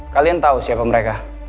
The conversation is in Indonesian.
kalian tau siapa mereka